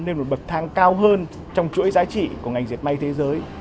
nên một bậc thang cao hơn trong chuỗi giá trị của ngành diệt may thế giới